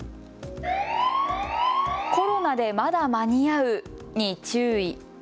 コロナでまだ間に合うに注意。